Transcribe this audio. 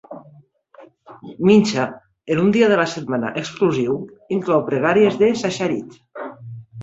Mincha en un dia de la setmana exclusiu inclou pregàries de Shacharit.